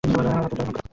হতচ্ছাড়াটার ভাগ্য ভালো!